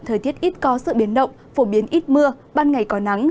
thời tiết ít có sự biến động phổ biến ít mưa ban ngày có nắng